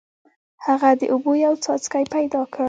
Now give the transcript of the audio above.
هغه د اوبو یو څاڅکی پیدا کړ.